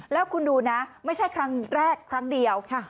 แล้วคุณดูนะไม่ใช่ครั้งแรกครั้งเดียว